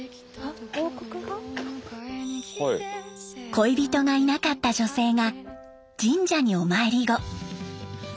恋人がいなかった女性が神社にお参り後。